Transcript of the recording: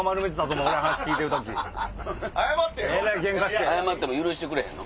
謝っても許してくれへんの？